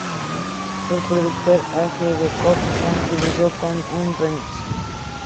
El productor A. G. de Cook contribuyó con un remix.